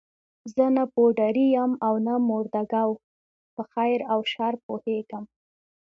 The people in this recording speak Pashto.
زه نه پوډري یم او نه هم مرده ګو، په خیر او شر پوهېږم.